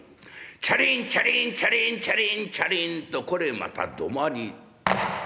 チャリンチャリンチャリンチャリンチャリンとこれまた土間に。